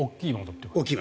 大きい窓。